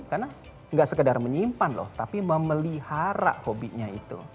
karena nggak sekedar menyimpan loh tapi memelihara hobinya itu